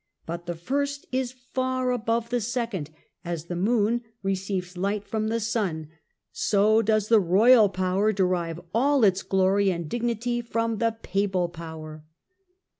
But the first is far above the second. As the moon receives light from the sun ... so does the royal power derive all its glory and dignity from the papal power."